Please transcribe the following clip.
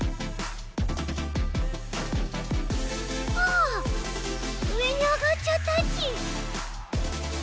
あうえにあがっちゃったち。